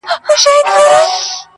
تا ولي په سوالونو کي سوالونه لټوله .